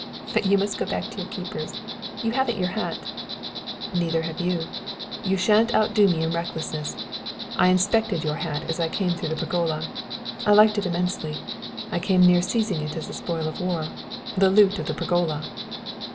But you must go back to your keepers. You haven't your hat " "Neither have you; you shan't outdo me in recklessness. I inspected your hat as I came through the pergola. I liked it immensely; I came near seizing it as spoil of war, the loot of the pergola!"